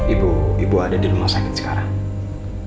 ibu ibu ada di rumah sakit sekarang